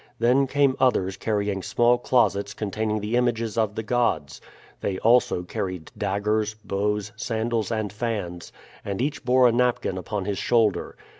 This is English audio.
Then came others carrying small closets containing the images of the gods; they also carried daggers, bows, sandals, and fans, and each bore a napkin upon his shoulder.